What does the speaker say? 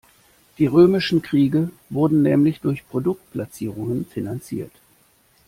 Die römischen Kriege wurden nämlich durch Produktplatzierungen finanziert.